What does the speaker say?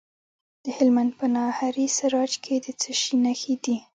د هلمند په ناهري سراج کې د څه شي نښې دي؟